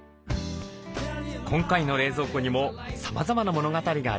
今回の冷蔵庫にもさまざまな物語がありました。